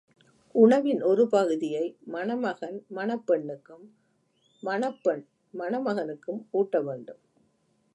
உணவின் ஒரு பகுதியை மணமகன் மணப் பெண்ணுக்கும் மணப்பெண் மணமகனுக்கும் ஊட்ட வேண்டும்.